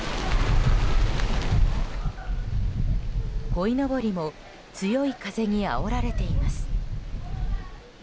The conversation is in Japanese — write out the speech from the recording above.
こいのぼりも強い風にあおられています。